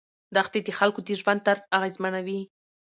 دښتې د خلکو د ژوند طرز اغېزمنوي.